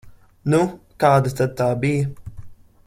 Nu, kāda tad tā bija?